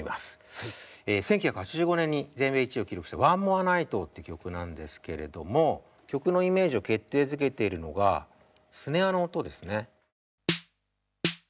１９８５年に全米１位を記録した「ＯｎｅＭｏｒｅＮｉｇｈｔ」って曲なんですけれども曲のイメージを決定づけているのがスネアの音ですね。